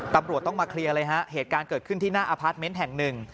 ตำรวจต้องมาเคลียร์เลยฮะเหตุการณ์เกิดขึ้นที่หน้าอพาร์ทเมนต์แห่งหนึ่ง